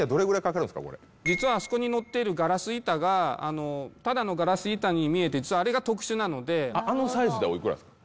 実はあそこにのっているガラス板がただのガラス板に見えて実はあれが特殊なのであのサイズでおいくらですか？